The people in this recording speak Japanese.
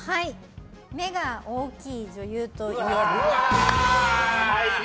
目が大きい女優といえば？